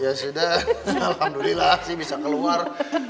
ya sudah alhamdulillah sih bisa keluar